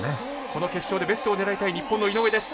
この決勝でベストを狙いたい日本の井上です。